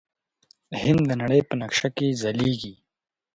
هند د نړۍ په نقشه کې ځلیږي.